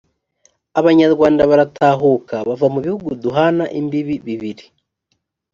abanyarwanda batahuka bava mu bihugu duhana imbibi bibiri